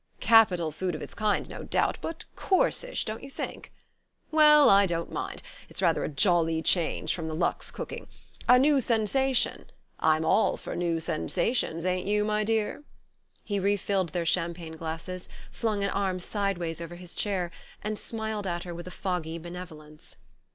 "Capital food of its kind, no doubt, but coarsish, don't you think? Well, I don't mind... it's rather a jolly change from the Luxe cooking. A new sensation I'm all for new sensations, ain't you, my dear?" He re filled their champagne glasses, flung an arm sideways over his chair, and smiled at her with a foggy benevolence.